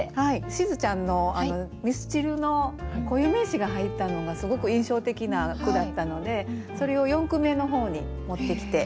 しずちゃんの「ミスチル」の固有名詞が入ったのがすごく印象的な句だったのでそれを四句目の方に持ってきて。